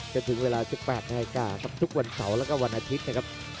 จนถึงเวลา๑๘นาทีกล่าวครับทุกวันเสาร์และวันอาทิตย์นะครับ